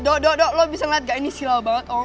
dok dok lo bisa ngeliat gak ini sila banget